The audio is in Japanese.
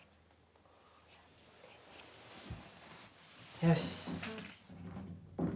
よし。